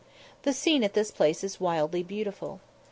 The scene at this place is wildly beautiful.